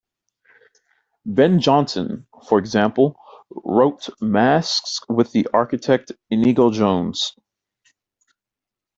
Ben Jonson, for example, wrote masques with the architect Inigo Jones.